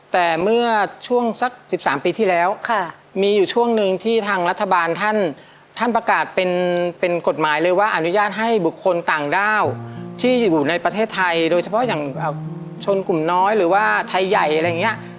แต่เมื่อช่วงสัก๑๓ปีที่แล้วมีอยู่ช่วงหนึ่งที่ทางรัฐบาลท่านประกาศเป็นกฎหมายเลยว่าอนุญาตให้บุคคลต่างด้าวที่อยู่ในประเทศไทยโดยเฉพาะอย่างชนกลุ่มน้อยหรือว่าไทยใหญ่อะไรอย่างนี้